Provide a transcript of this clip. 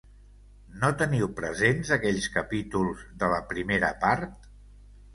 No teniu presents aquells capítols de la primera part?